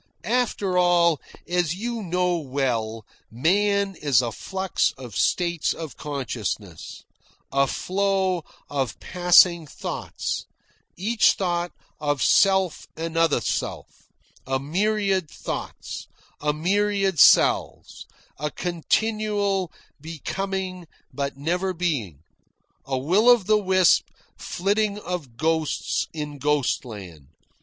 "After all, as you know well, man is a flux of states of consciousness, a flow of passing thoughts, each thought of self another self, a myriad thoughts, a myriad selves, a continual becoming but never being, a will of the wisp flitting of ghosts in ghostland.